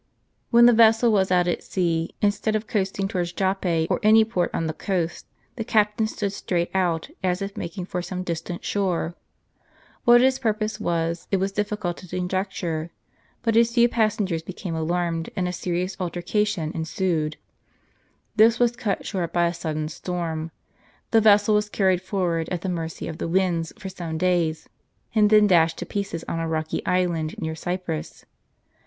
When the vessel was out at sea, instead of coasting towards Joppe or any port on the coast, the captain stood straight out, as if making for some distant shore. What his purpose was, it was difficult to conjecture ; but his few passengers became alarmed, and a serious altercation ensued. This was cut short by a sudden storm ; the vessel was carried forward at the mercy of the winds for some days, and then dashed to pieces on a rocky island near Cyprus.